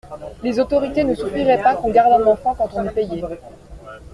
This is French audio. Les autorités ne souffriraient pas qu'on garde un enfant quand on est payé.